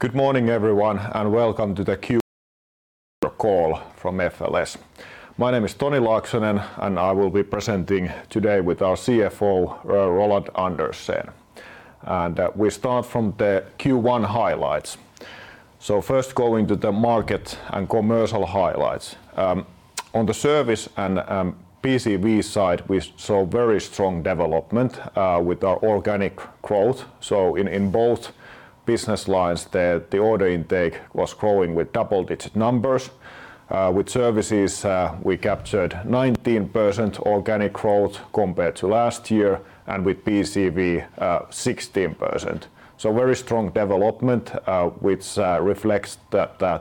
Good morning, everyone, welcome to the Q call from FLS. My name is Toni Laaksonen, and I will be presenting today with our CFO, Roland M. Andersen. We start from the Q1 highlights. First going to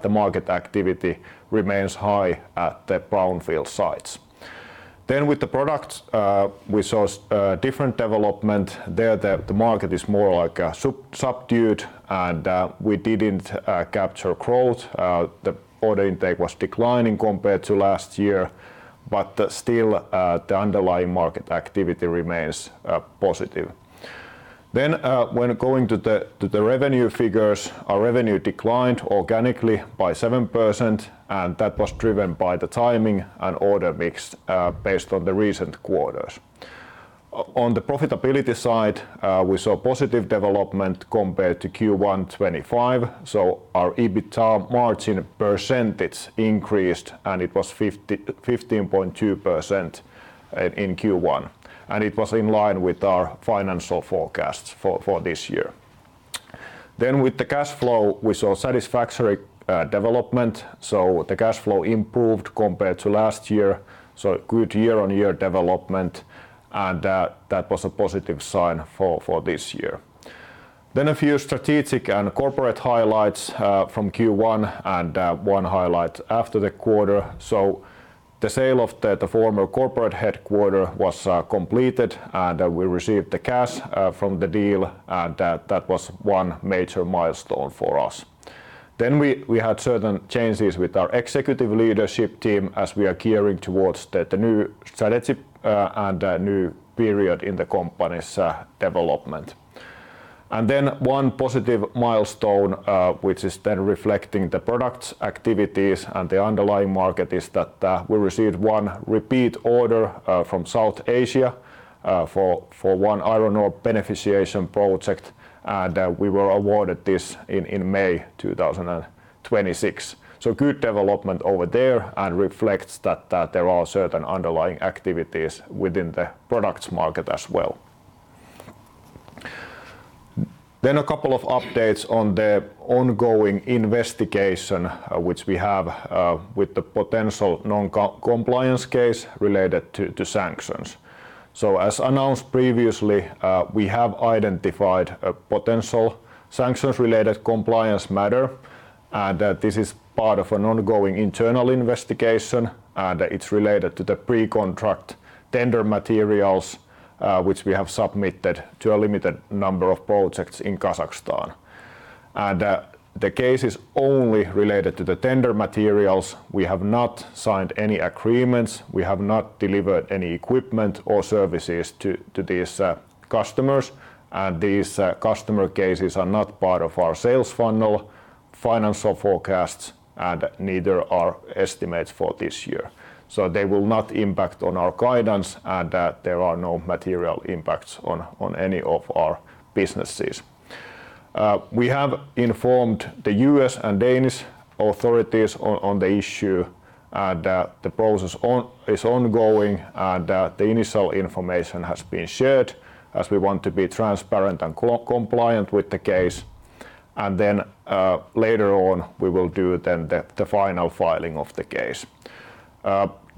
the market and commercial highlights. On the service and PCV side, we saw very strong development with our organic growth. In both business lines, the order intake was growing with double-digit numbers. With services, we captured 19% organic growth compared to last year, and with PCV, 16%. Very strong development, which reflects that the market activity remains high at the brownfield sites. With the products, we saw different development. There the market is more like subdued and we didn't capture growth. The order intake was declining compared to last year, but still, the underlying market activity remains positive. When going to the revenue figures, our revenue declined organically by 7%, and that was driven by the timing and order mix based on the recent quarters. On the profitability side, we saw positive development compared to Q1 2025. Our EBITA margin percentage increased,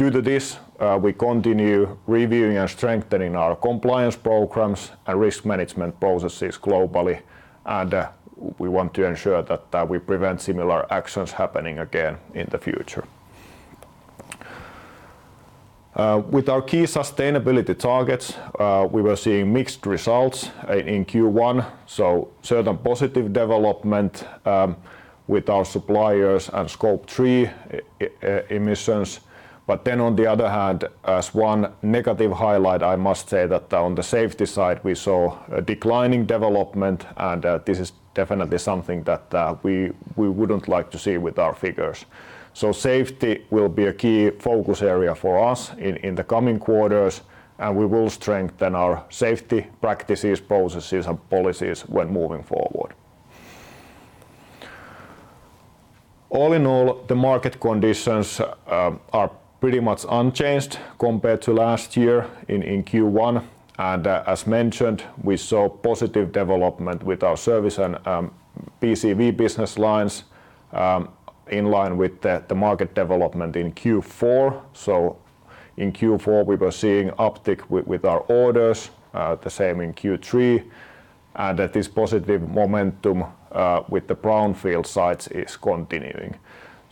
and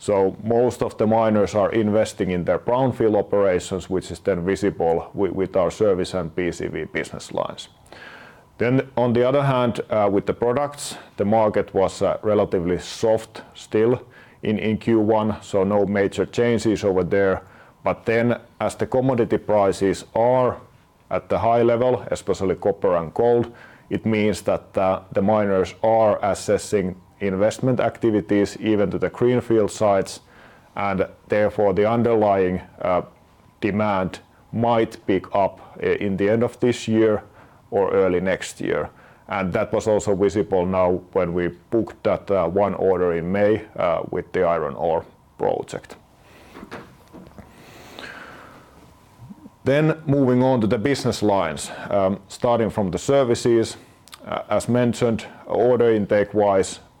it was 15.2% in Q1. It was in line with our financial forecasts for this year. With the cash flow, we saw satisfactory development. The cash flow improved compared to last year, so good year-on-year development, and that was a positive sign for this year. A few strategic and corporate highlights from Q1 and one highlight after the quarter. The sale of the former corporate headquarter was completed, and we received the cash from the deal, and that was one major milestone for us. We had certain changes with our executive leadership team as we are gearing towards the new strategy and the new period in the company's development. One positive milestone, which is then reflecting the products, activities, and the underlying market is that we received one repeat order from South Asia for one iron ore beneficiation project,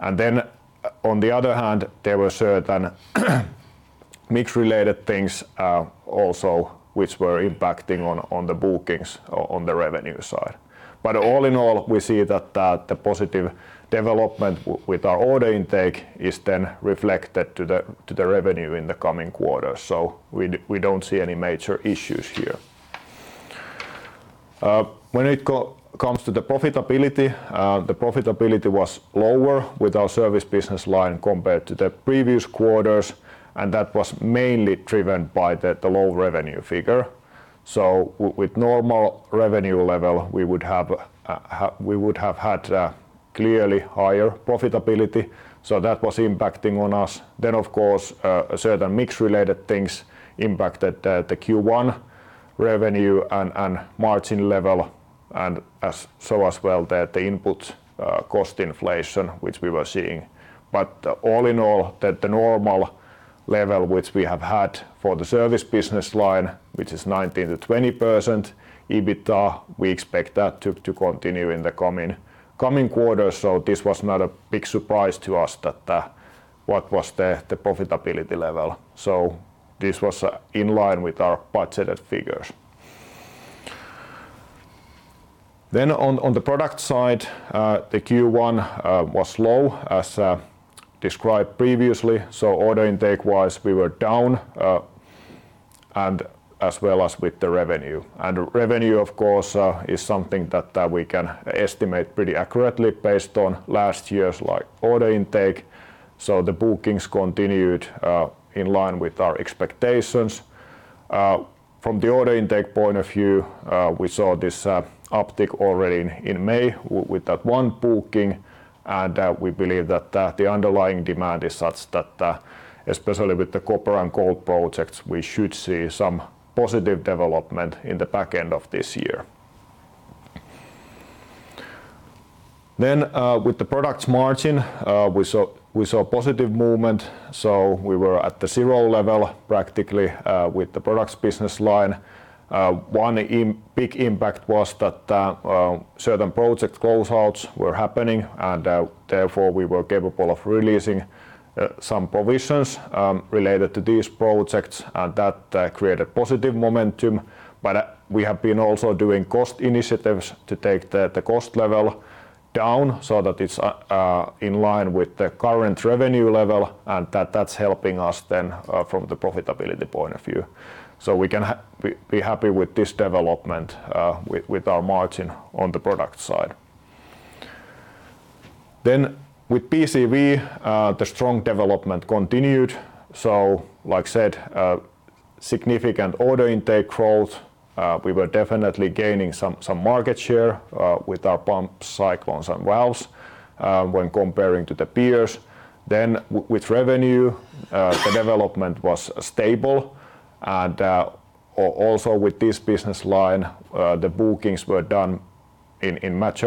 and we were awarded this in May 2026. Good development over there and reflects that there are certain underlying activities within the products market as well. A couple of updates on the ongoing investigation which we have with the potential non-compliance case related to sanctions. As announced previously, we have identified a potential sanctions-related compliance matter, and this is part of an ongoing internal investigation, and it's related to the pre-contract tender materials which we have submitted to a limited number of projects in Kazakhstan. The case is only related to the tender materials. We have not signed any agreements. We have not delivered any equipment or services to these customers. These customer cases are not part of our sales funnel, financial forecasts, and neither are estimates for this year. They will not impact on our guidance and that there are no material impacts on any of our businesses. We have informed the U.S. and Danish authorities on the issue, and the process is ongoing, and the initial information has been shared as we want to be transparent and co-compliant with the case. Later on, we will do then the final filing of the case. Due to this, we continue reviewing and strengthening our compliance programs and risk management processes globally, and we want to ensure that we prevent similar actions happening again in the future. With our key sustainability targets, we were seeing mixed results in Q1, so certain positive development with our suppliers and scope three emissions. On the other hand, as one negative highlight, I must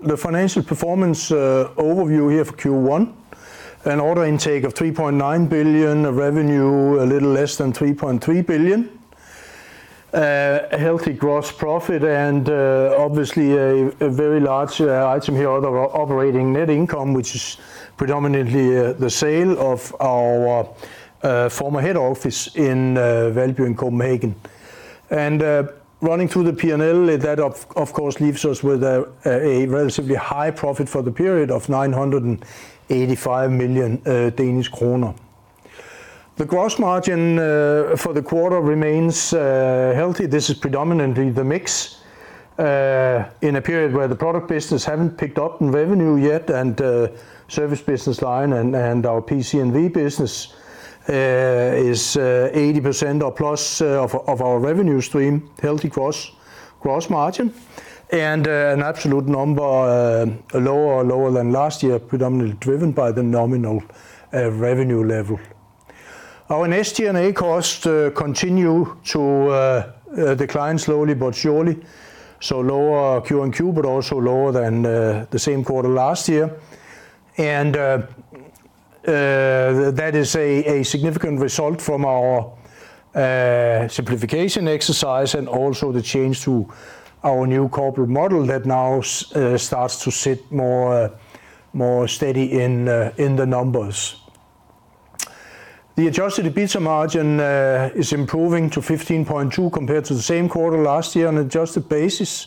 The financial performance overview here for Q1, an order intake of 3.9 billion, a revenue a little less than 3.3 billion. A healthy gross profit and obviously a very large item here, other operating net income, which is predominantly the sale of our former head office in Valby in Copenhagen. Running through the P&L, that of course, leaves us with a relatively high profit for the period of 985 million Danish kroner. The gross margin for the quarter remains healthy. This is predominantly the mix in a period where the product business haven't picked up in revenue yet, service business line and our PCV business is 80% or plus of our revenue stream, healthy gross margin. An absolute number lower than last year, predominantly driven by the nominal revenue level. Our SG&A costs continue to decline slowly but surely, so lower Q-on-Q, but also lower than the same quarter last year. That is a significant result from our simplification exercise and also the change to our new corporate model that now starts to sit more steady in the numbers. The adjusted EBITDA margin is improving to 15.2% compared to the same quarter last year on adjusted basis.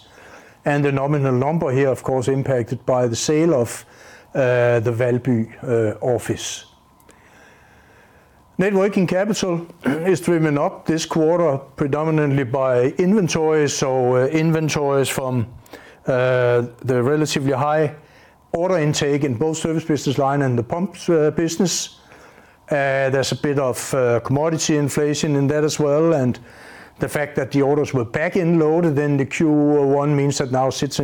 The nominal number here, of course, impacted by the sale of the Valby office. Net working capital is driven up this quarter predominantly by inventory. Inventories from the relatively high order intake in both service business line and the pumps business. There's a bit of commodity inflation in that as well. The fact that the orders were back-end loaded in the Q1 means that now sits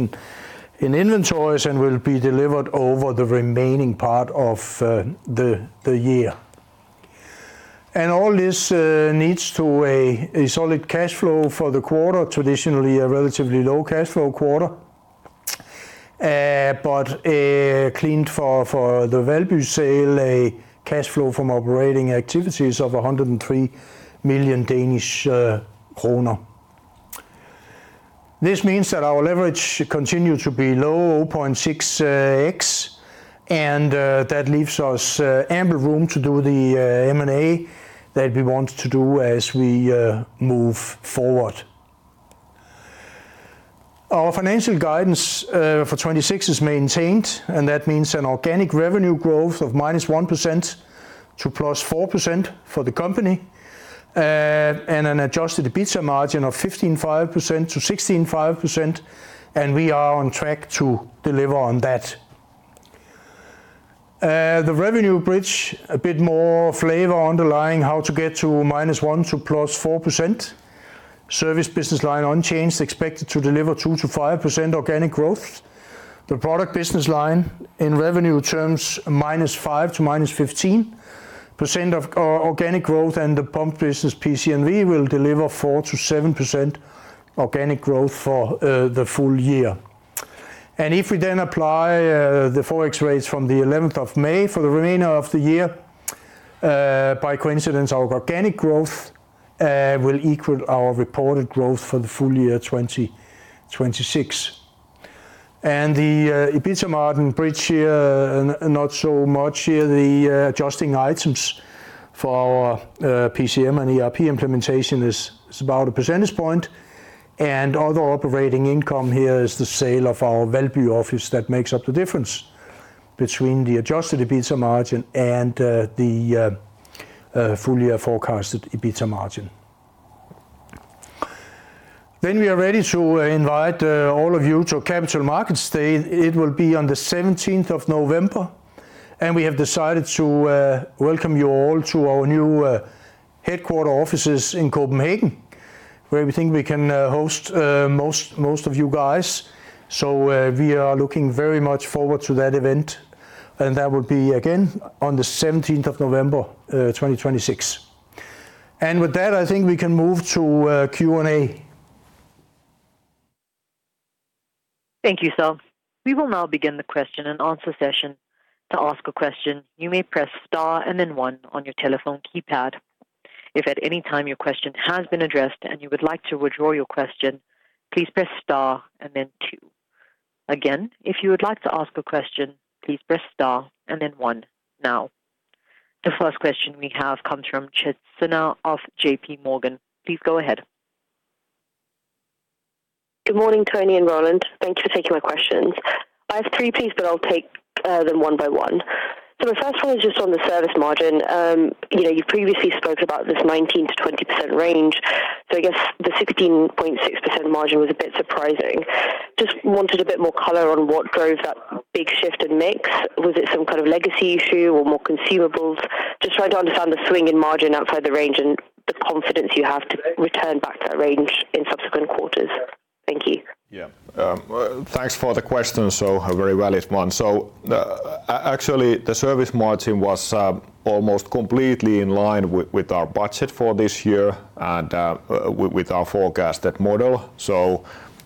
in inventories and will be delivered over the remaining part of the year. All this leads to a solid cash flow for the quarter. Traditionally, a relatively low cash flow quarter. Cleaned for the Valby sale, a cash flow from operating activities of 103 million Danish kroner. This means that our leverage should continue to be low, 0.6x. That leaves us ample room to do the M&A that we want to do as we move forward. Our financial guidance for 2026 is maintained, that means an organic revenue growth of -1% to +4% for the company. An adjusted EBITDA margin of 15.5%-16.5%, we are on track to deliver on that. The revenue bridge, a bit more flavor underlying how to get to -1% to +4%. Service business line unchanged, expected to deliver 2%-5% organic growth. The product business line in revenue terms, -5% to -15% of organic growth. The pump business PCV will deliver 4%-7% organic growth for the full year. If we then apply the Forex rates from the 11th of May for the remainder of the year, by coincidence, our organic growth will equal our reported growth for the full year 2026. The EBITDA margin bridge here, not so much here. The adjusting items for our PCM and ERP implementation is about 1 percentage point. Other operating income here is the sale of our Valby office that makes up the difference between the adjusted EBITDA margin and the full year forecasted EBITDA margin. We are ready to invite all of you to Capital Markets Day. It will be on the 17th of November, and we have decided to welcome you all to our new headquarter offices in Copenhagen, where we think we can host most of you guys. We are looking very much forward to that event, and that will be again on the 17th of November, 2026. With that, I think we can move to Q&A. Thank you, Sir. We will know begin the question and answer session. To ask a question you may press star and then one on your telephone keypad. If at anytime your question has been addressed and you would like to withdraw your question, please press star and then two. Again, if you would like to ask a question press star and then one, now. The first question we have comes from Chit Sinha of JPMorgan. Please go ahead. Good morning, Toni and Roland. Thank you for taking my questions. I have three, please, but I'll take them one by one. The first one is just on the service margin. You know, you previously spoke about this 19%-20% range, so I guess the 16.6% margin was a bit surprising. Just wanted a bit more color on what drove that big shift in mix. Was it some kind of legacy issue or more consumables? Just trying to understand the swing in margin outside the range and the confidence you have to return back to that range in subsequent quarters. Thank you. Yeah. Thanks for the question. A very valid one. Actually, the service margin was almost completely in line with our budget for this year and with our forecasted model.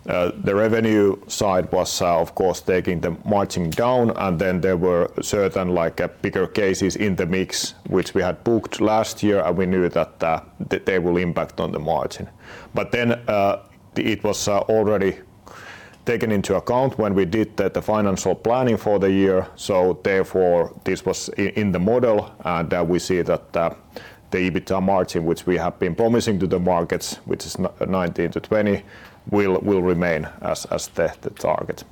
The revenue side was, of course, taking the margin down, and then there were certain, like, bigger cases in the mix which we had booked last year, and we knew that they will impact on the margin. It was already taken into account when we did the financial planning for the year. Therefore, this was in the model, and we see that the EBITDA margin, which we have been promising to the markets, which is 19%-20%, will remain as the target.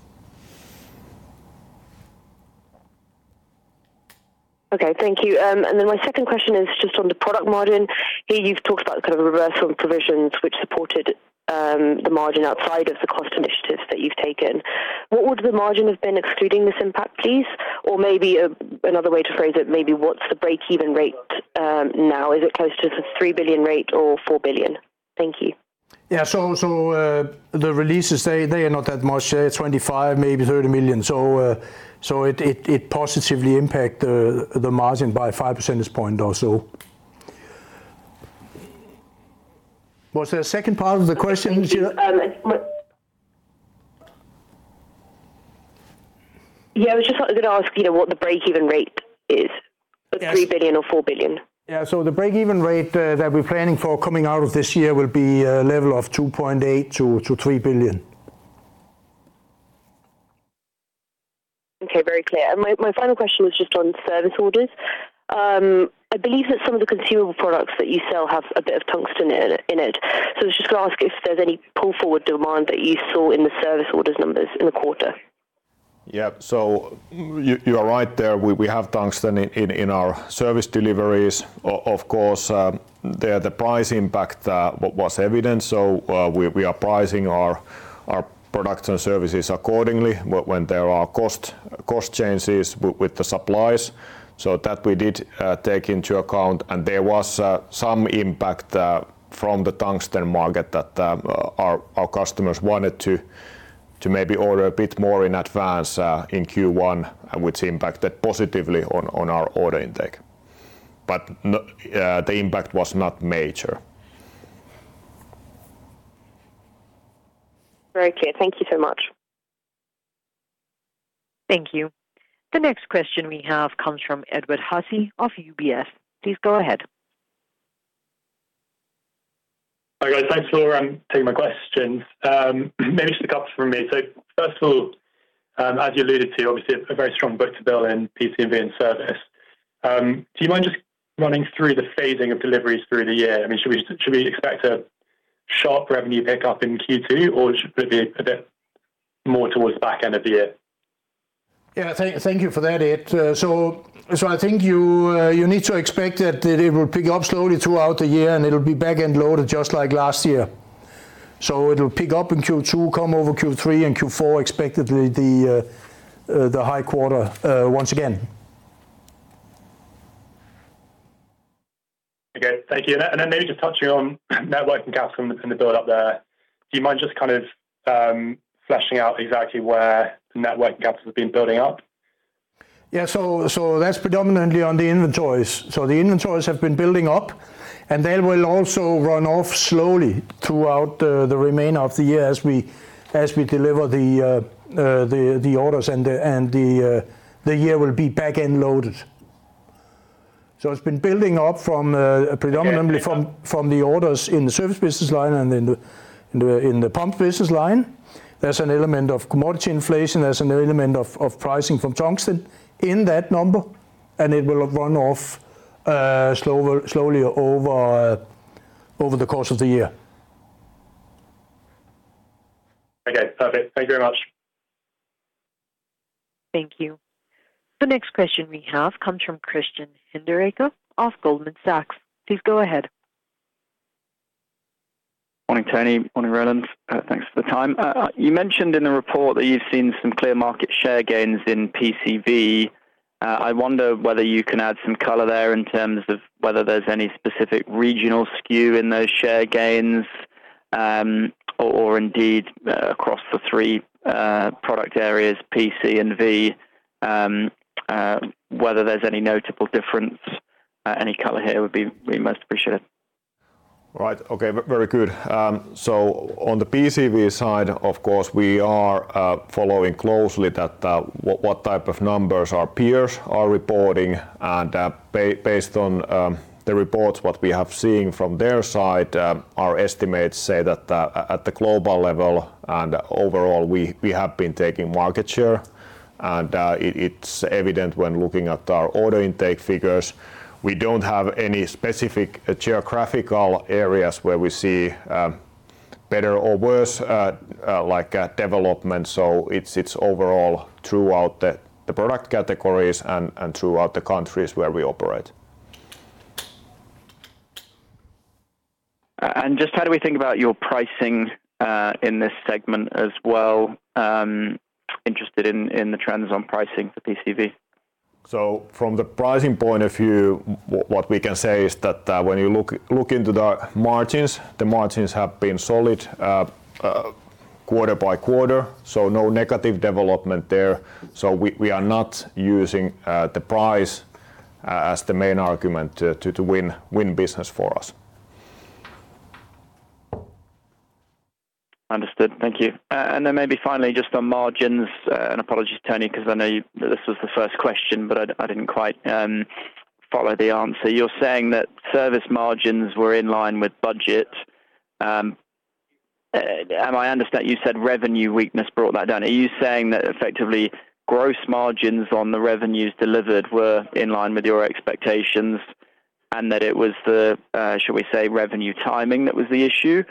Okay, thank you. My second question is just on the product margin. Here you've talked about kind of reversal provisions which supported the margin outside of the cost initiatives that you've taken. What would the margin have been excluding this impact, please? Maybe another way to phrase it, maybe what's the break-even rate now? Is it close to the 3 billion rate or 4 billion? Thank you. Yeah. The releases, they are not that much, 25 million, maybe 30 million. It positively impacts the margin by 5 percentage points or so. Was there a second part of the question, Julia? Yeah, I just wanted to ask, you know, what the break-even rate is? Yes. 3 billion or 4 billion? Yeah. The break-even rate, that we're planning for coming out of this year will be a level of 2.8 billion-3 billion. Okay, very clear. My final question was just on service orders. I believe that some of the consumable products that you sell have a bit of tungsten in it. I was just gonna ask if there's any pull-forward demand that you saw in the service orders numbers in the quarter. Yeah. You are right there. We have tungsten in our service deliveries. Of course, the price impact was evident. We are pricing our products and services accordingly when there are cost changes with the supplies. That we did take into account, and there was some impact from the tungsten market that our customers wanted to maybe order a bit more in advance in Q1, and which impacted positively on our order intake. The impact was not major. Very clear. Thank you so much. Thank you. The next question we have comes from Edward Hussey of UBS. Please go ahead. Hi, guys. Thanks for taking my questions. Maybe just a couple from me. First of all, as you alluded to, obviously a very strong book-to-bill in PCV and service. Do you mind just running through the phasing of deliveries through the year? I mean, should we expect a sharp revenue pickup in Q2, or should it be a bit more towards the back end of the year? Yeah. Thank you for that, Ed. I think you need to expect that it will pick up slowly throughout the year, and it'll be back-end loaded just like last year. It'll pick up in Q2, come over Q3 and Q4, expectedly the high quarter, once again. Thank you. Then maybe just touching on net working capital in the build-up there. Do you mind just kind of fleshing out exactly where the net working capital has been building up? That's predominantly on the inventories. The inventories have been building up, and they will also run off slowly throughout the remainder of the year as we deliver the orders and the year will be back-end loaded. It's been building up from predominantly from the orders in the service business line and in the pump business line. There's an element of commodity inflation. There's an element of pricing from tungsten in that number, and it will run off slowly over the course of the year. Okay, perfect. Thank you very much. Thank you. The next question we have comes from Christian Hinderaker of Goldman Sachs. Please go ahead. Morning, Toni. Morning, Roland. Thanks for the time. You mentioned in the report that you've seen some clear market share gains in PCV. I wonder whether you can add some color there in terms of whether there's any specific regional skew in those share gains, or indeed across the three product areas, P, C, and V, whether there's any notable difference. Any color here would be most appreciated. Right. Okay. Very good. On the PCV side, of course, we are Understood. Thank you. Then maybe finally, just on margins, apologies, Toni, 'cause I know this was the first question, but I didn't quite follow the answer. You're saying that service margins were in line with budget. Am I understand you said revenue weakness brought that down. Are you saying that effectively gross margins on the revenues delivered were in line with your expectations? That it was the, shall we say, revenue timing that was the issue?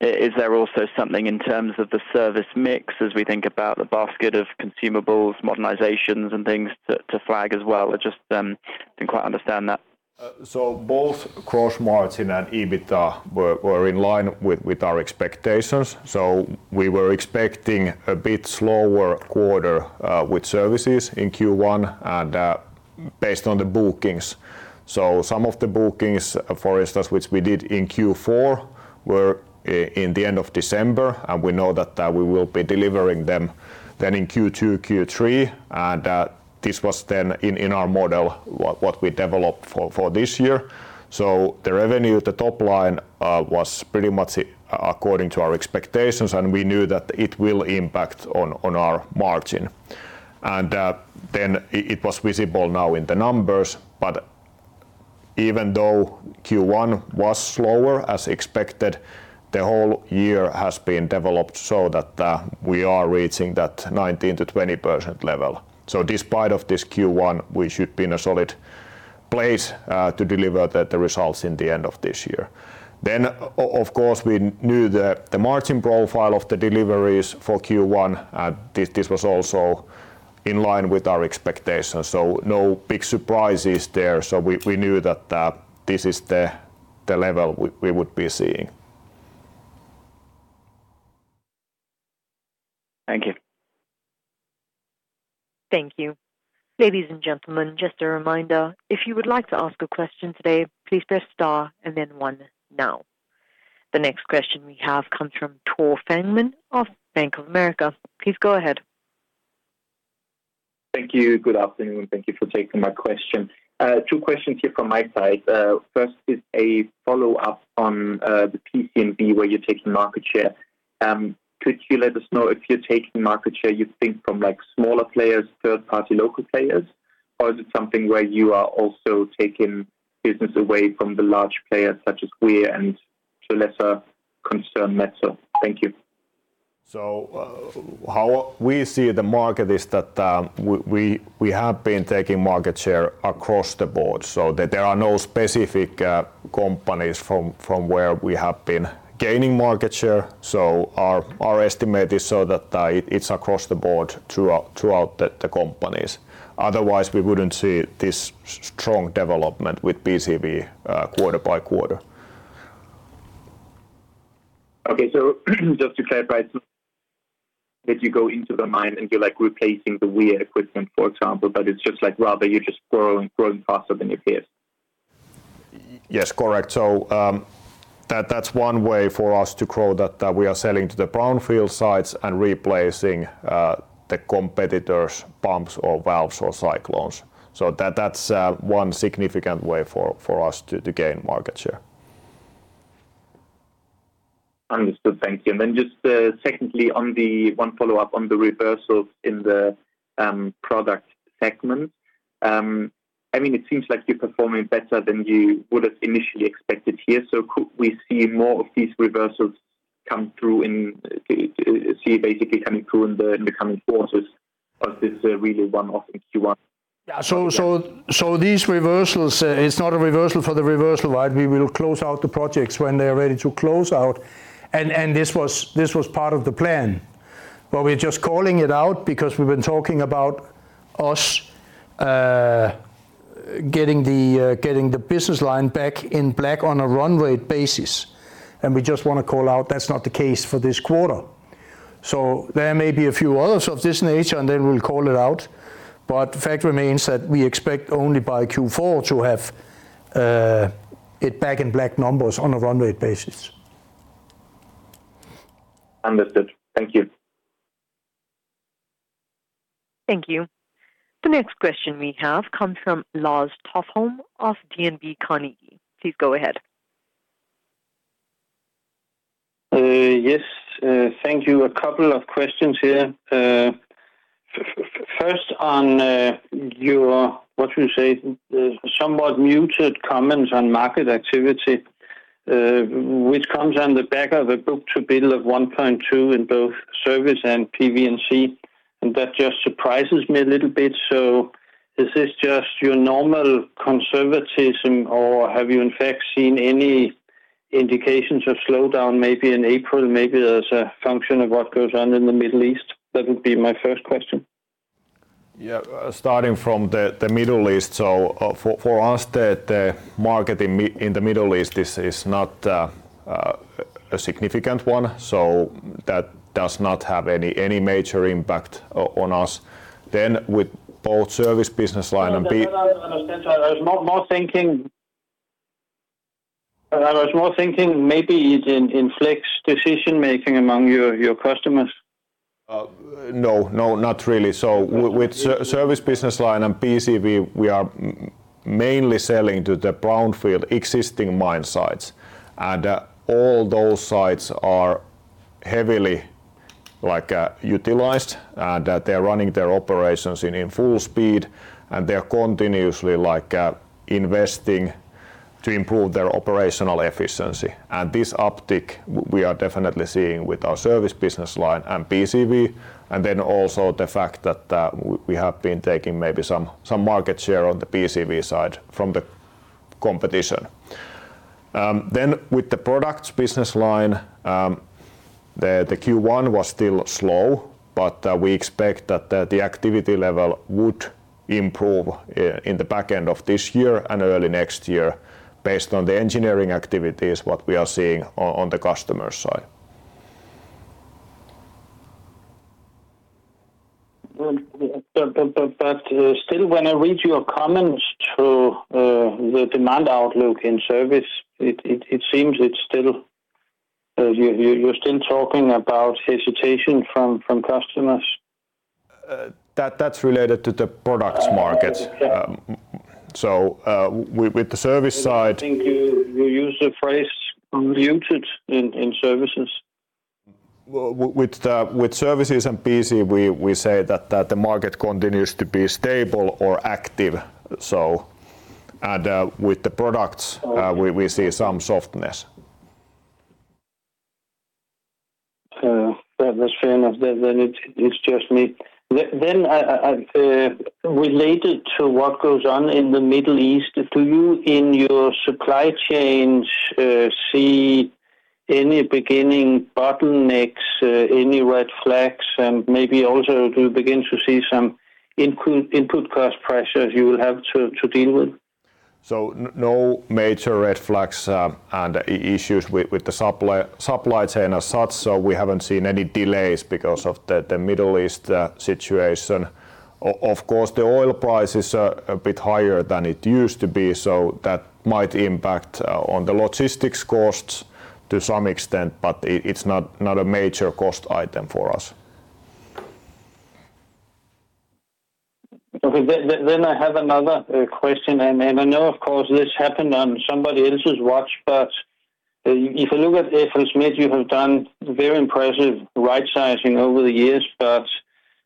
Is there also something in terms of the service mix as we think about the basket of consumables, modernizations and things to flag as well? I just didn't quite understand that. Both gross margin and EBITDA were Thank you. Good afternoon, thank you for taking my question. Two questions here from my side. First is a follow-up on the PCV where you're taking market share. Could you let us know if you're taking market share, you think from like smaller players, third party local players? Is it something where you are also taking business away from the large players such as Weir and to lesser concern Metso? Thank you. How we see the market is that we have been taking market share across the board, so that there are no specific companies from where we have been gaining market share. Our estimate is so that it's across the board throughout the companies. Otherwise, we wouldn't see this strong development with PCV quarter by quarter. Okay. Just to clarify, so that you go into the mine and you're like replacing the Weir equipment, for example. It's just like rather you're just growing faster than your peers. Yes, correct. That's one way for us to grow that we are selling to the brownfield sites and replacing the competitors' pumps or valves or cyclones. That's one significant way for us to gain market share. Understood. Thank you. Secondly, on the one follow-up on the reversals in the product segment. I mean, it seems like you're performing better than you would have initially expected here. Could we see more of these reversals come through in the coming quarters, or is this really one-off in Q1? Yeah. These reversals, it's not a reversal for the reversal, right? We will close out the projects when they're ready to close out. This was part of the plan. We're just calling it out because we've been talking about us getting the business line back in black on a run rate basis. We just wanna call out that's not the case for this quarter. There may be a few others of this nature, and then we'll call it out. Fact remains that we expect only by Q4 to have it back in black numbers on a run rate basis. Understood. Thank you. Thank you. The next question we have comes from Lars Topholm of DNB Carnegie. Please go ahead. Yes. Thank you. A couple of questions here. first on, your, what you say, somewhat muted comments on market activity, which comes on the back of a book-to-bill of 1.2 in both service and PCV, and that just surprises me a little bit. Is this just your normal conservatism or have you in fact seen any indications of slowdown maybe in April, maybe as a function of what goes on in the Middle East? That would be my first question. Yeah. Starting from the Middle East. For us, the market in the Middle East is not a significant one. That does not have any major impact on us. With both service business line and- No, I understand, sir. I was more thinking maybe it inflicts decision-making among your customers. No, no, not really. With service business line and PCV, we are mainly selling to the brownfield existing mine sites, and all those sites are heavily like utilized, and that they're running their operations in a full speed, and they're continuously like investing to improve their operational efficiency. This uptick we are definitely seeing with our service business line and PCV, and also the fact that we have been taking maybe some market share on the PCV side from the competition. With the products business line, the Q1 was still slow, but we expect that the activity level would improve in the back end of this year and early next year based on the engineering activities, what we are seeing on the customer side. Well, still when I read your comments to the demand outlook in service, it seems it's still, you're still talking about hesitation from customers. That's related to the products market. Yeah. With the service side. I think you used the phrase muted in services. With the services and PCV, we say that the market continues to be stable or active, so with the products- Okay. We see some softness. That was fair enough then it's just me. Then I, related to what goes on in the Middle East, do you in your supply chains, see any beginning bottlenecks, any red flags? Maybe also do you begin to see some input cost pressures you will have to deal with? No major red flags and issues with the supply chain as such. We haven't seen any delays because of the Middle East situation. Of course, the oil price is a bit higher than it used to be, so that might impact on the logistics costs to some extent, but it's not a major cost item for us. Okay. Then I have another question, and I know of course this happened on somebody else's watch, but if you look at FLSmidth, you have done very impressive right-sizing over the years.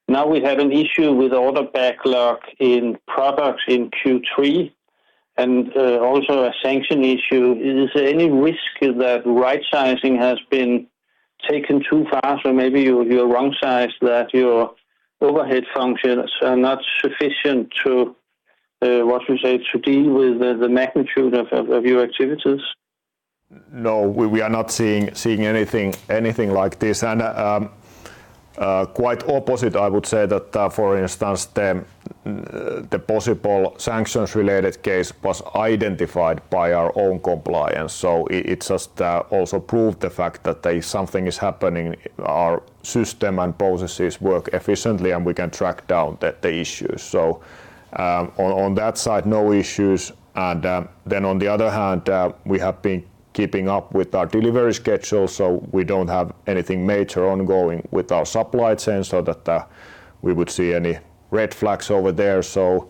Now we have an issue with order backlog in products in Q3 and also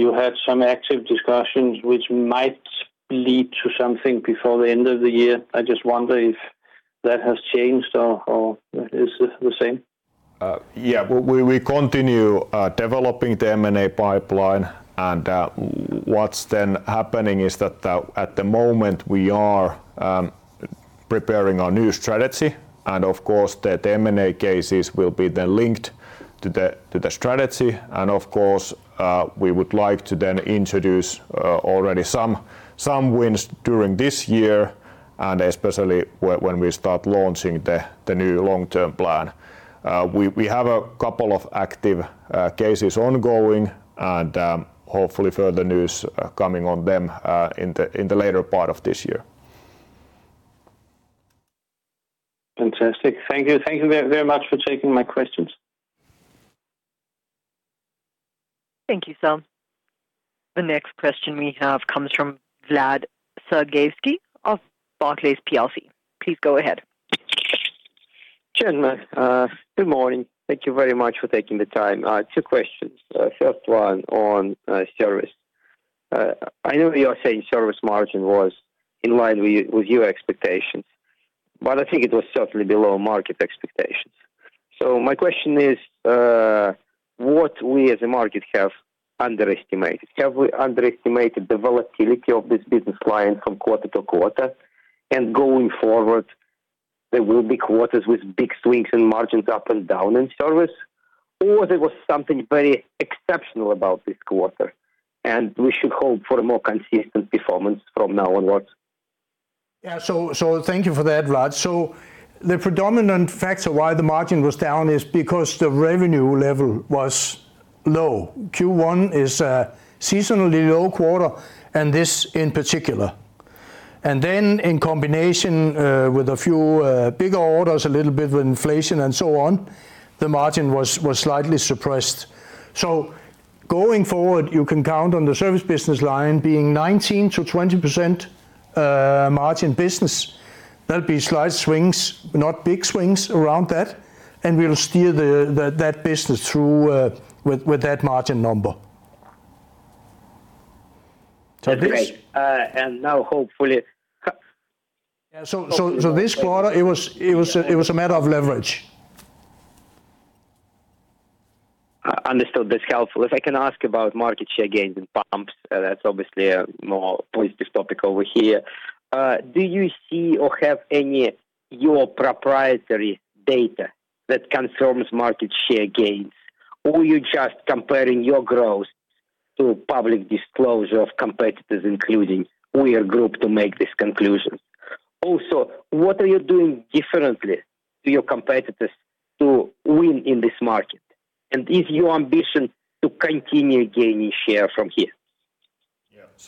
a sanction issue. Is there any risk that right-sizing has been taken too fast or maybe you're wrong-sized, that your overhead functions are not sufficient to what we say, to deal with the magnitude of your activities? No. We are not seeing anything like this. Quite opposite, I would say that, for instance, the possible sanctions related case was identified by our own compliance. It just also proved the fact that if something is happening, our system and processes work efficiently, and we can track down the issues. On that side, no issues. Then on the other hand, we have been keeping up with our delivery schedule, so we don't have anything major ongoing with our supply The next question we have comes from Vlad Sergievskii of Barclays PLC. Please go ahead. Chairman, good morning. Thank you very much for taking the time. Two questions. First one on service. I know you are saying service margin was in line with your expectations, but I think it was certainly below market expectations. My question is, what we as a market have underestimated? Have we underestimated the volatility of this business line from quarter to quarter, and going forward there will be quarters with big swings in margins up and down in service? There was something very exceptional about this quarter, and we should hope for a more consistent performance from now onwards? Thank you for that, Vlad. The predominant factor why the margin was down is because the revenue level was low. Q1 is a seasonally low quarter, and this in particular. In combination with a few bigger orders, a little bit of inflation and so on, the margin was slightly suppressed. Going forward, you can count on the service business line being 19%-20% margin business. There'll be slight swings, not big swings around that, and we'll steer the that business through with that margin number. That's great. Yeah. This quarter it was a matter of leverage. Understood. That's helpful. If I can ask about market share gains in pumps, that's obviously a more positive topic over here. Do you see or have any your proprietary data that confirms market share gains? Or you're just comparing your growth to public disclosure of competitors, including Weir Group to make this conclusion? What are you doing differently to your competitors to win in this market? Is your ambition to continue gaining share from here?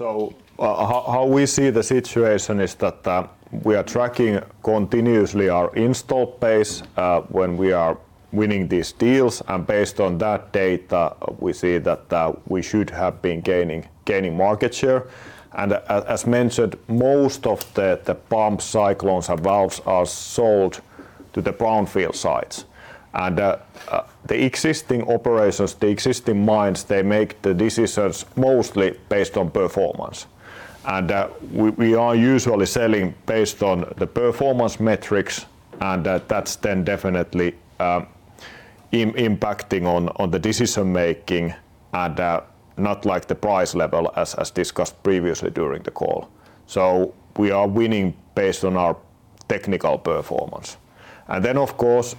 Yeah. How we see the situation is that we are tracking continuously our install base when we are winning these deals. Based on that data, we see that we should have been gaining market share. As mentioned, most of the Pumps, Cyclones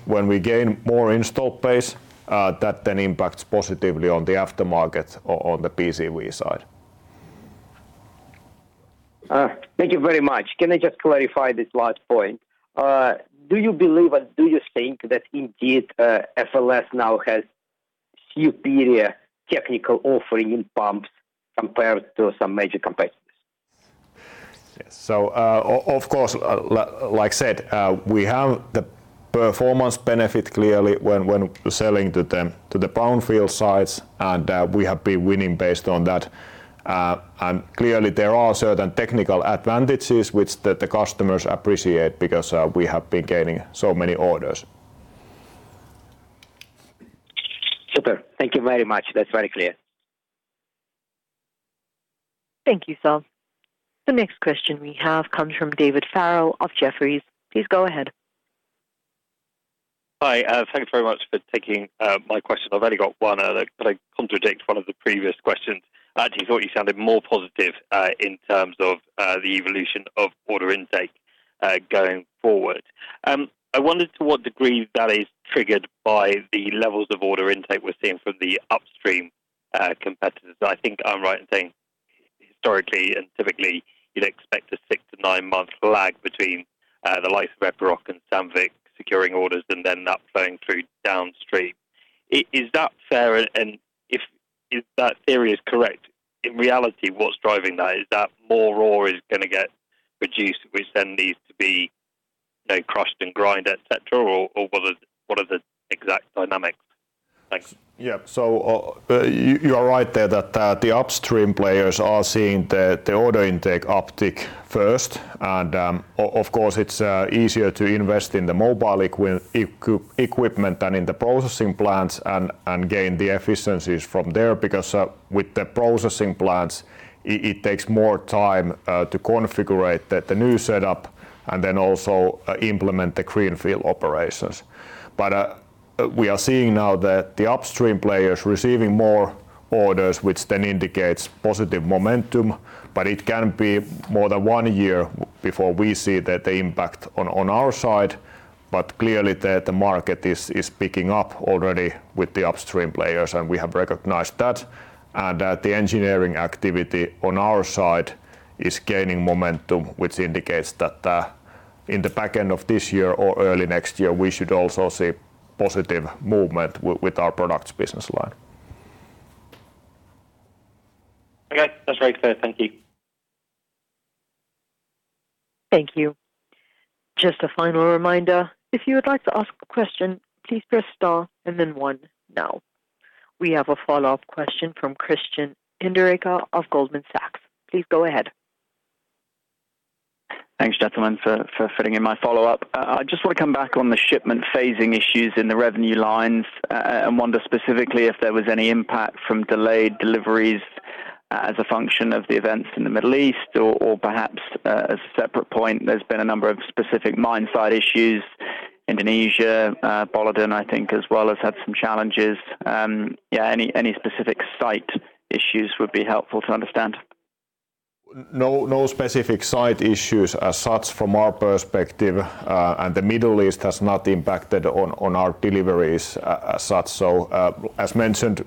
Hi. Thanks very much for taking my question. I've only got one that could contradict one of the previous questions. I actually thought you sounded more positive in terms of the evolution of order intake going forward. I wondered to what degree that is triggered by the levels of order intake we're seeing from the upstream competitors. I think I'm right in saying historically and typically you'd expect a six-nine month lag between the likes of Epiroc and Sandvik securing orders and then that flowing through downstream. Is that fair? If that theory is correct, in reality, what's driving that? Is that more ore is gonna get produced, which then needs to be, you know, crushed and ground, et cetera, or what are the exact dynamics? Thanks. Yeah. You, you are right there that the upstream players are seeing the order intake uptick first. Of course, it's easier to invest in the mobile equipment than in the processing plants and gain the efficiencies from there. Because with the processing plants, it takes more time to configurate the new setup and then also implement the greenfield operations. We are seeing now that the upstream players receiving more orders, which then indicates positive momentum, but it can be more than one year before we see the impact on our side. Clearly the market is picking up already with the upstream players, and we have recognized that. The engineering activity on our side is gaining momentum, which indicates that in the back end of this year or early next year, we should also see positive movement with our products business line. Okay. That's very clear. Thank you. Thank you. Just a final reminder, if you would like to ask a question, please press star and then one now. We have a follow-up question from Christian Hinderaker of Goldman Sachs. Please go ahead. Thanks, gentlemen, for fitting in my follow-up. I just want to come back on the shipment phasing issues in the revenue lines, and wonder specifically if there was any impact from delayed deliveries, as a function of the events in the Middle East or perhaps a separate point, there's been a number of specific mine site issues, Indonesia, Boliden, I think as well has had some challenges. Yeah, any specific site issues would be helpful to understand. No, no specific site issues as such from our perspective. The Middle East has not impacted on our deliveries as such. As mentioned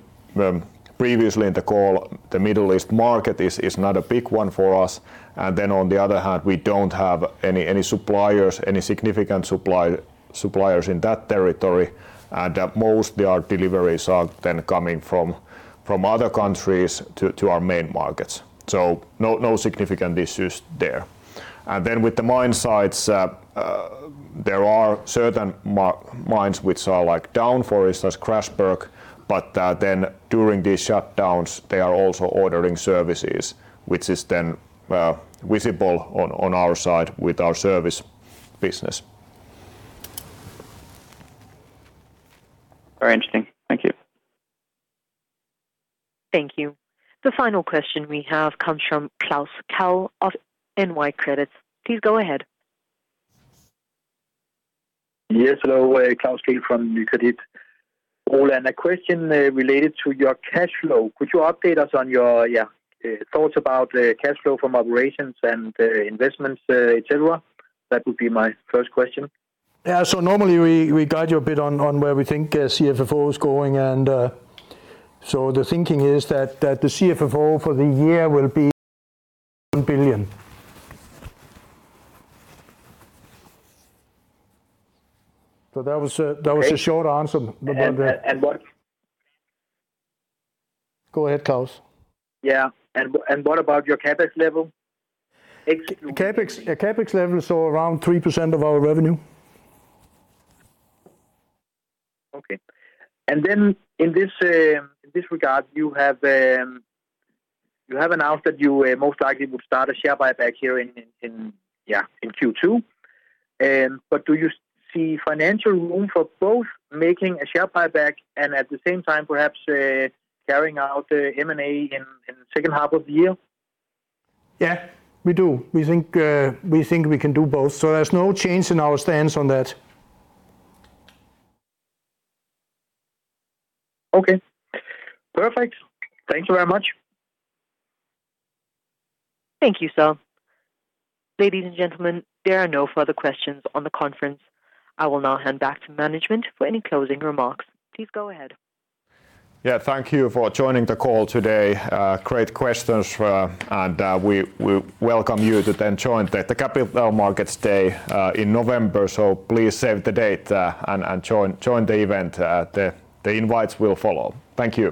previously in the call, the Middle East market is not a big one for us. On the other hand, we don't have any suppliers, any significant suppliers in that territory. Most of our deliveries are then coming from other countries to our main markets. No significant issues there. With the mine sites, there are certain mines which are like down for it, such as Grasberg, but then during these shutdowns, they are also ordering services, which is then visible on our side with our service business. Very interesting. Thank you. Thank you. The final question we have comes from Klaus Kehl of Nykredit. Please go ahead. Yes, hello. Klaus Kehl from Nykredit. Roland, a question related to your cash flow. Could you update us on your, yeah, thoughts about the cash flow from operations and investments, et cetera? That would be my first question. Normally we guide you a bit on where we think CFFO is going. The thinking is that the CFFO for the year will be 1 billion. That was a short answer but- What- Go ahead, Klaus. Yeah. What about your CapEx level? CapEx, our CapEx level is all around 3% of our revenue. Okay. Then in this, in this regard, you have announced that you most likely would start a share buyback here in Q2. Do you see financial room for both making a share buyback and at the same time perhaps carrying out M&A in the second half of the year? Yeah, we do. We think we can do both. There's no change in our stance on that. Okay. Perfect. Thank you very much. Thank you, sir. Ladies and gentlemen, there are no further questions on the conference. I will now hand back to management for any closing remarks. Please go ahead. Yeah, thank you for joining the call today. Great questions. We welcome you to then join the Capital Markets Day in November. Please save the date and join the event. The invites will follow. Thank you.